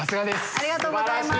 ありがとうございます。